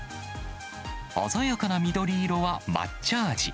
鮮やかな緑色は抹茶味。